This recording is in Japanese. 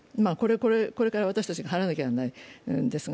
これから私たちが払わなきゃならないんですが。